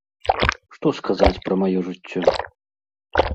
Што сказаць пра маё жыццё?